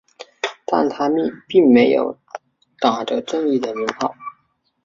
但是他并没有打着正义的名号。